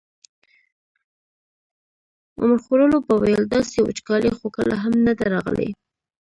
عمر خوړلو به ویل داسې وچکالي خو کله هم نه ده راغلې.